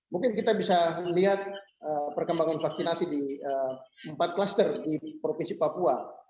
mungkin kita bisa lihat perkembangan vaksinasi di empat klaster di provinsi papua